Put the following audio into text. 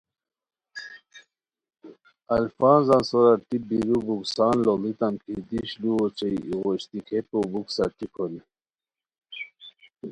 الفاظان سورا ٹیپ بیرو بکسان لوڑیتام کی دیش لُو اوچے ایغو اشتیکھئیکو بکسہ ٹیپ ہونی